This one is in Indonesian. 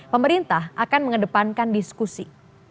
pemerintah akan mengedepankan diskusi